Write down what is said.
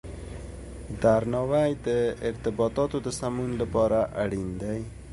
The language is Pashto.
درناوی د ارتباطاتو د سمون لپاره اړین دی.